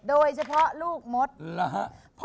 โดยเฉพาะลูกมดนะฮะ